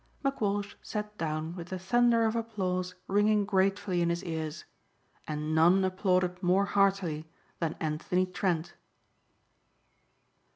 McWalsh sat down with the thunder of applause ringing gratefully in his ears. And none applauded more heartily than Anthony Trent.